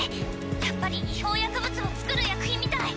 やっぱり違法薬物を作る薬品みたい。